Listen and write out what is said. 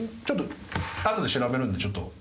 あとで調べるんでちょっと。